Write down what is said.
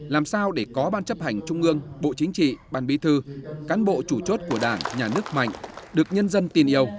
làm sao để có ban chấp hành trung ương bộ chính trị ban bí thư cán bộ chủ chốt của đảng nhà nước mạnh được nhân dân tin yêu